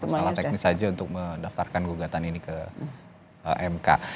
masalah teknis saja untuk mendaftarkan gugatan ini ke mk